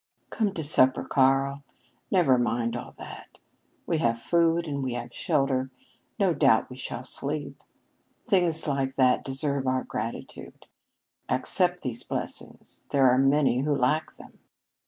"Come to supper, Karl. Never mind all that. We have food and we have shelter. No doubt we shall sleep. Things like that deserve our gratitude. Accept these blessings. There are many who lack them."